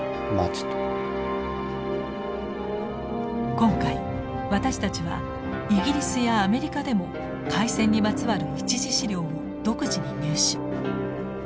今回私たちはイギリスやアメリカでも開戦にまつわる一次資料を独自に入手。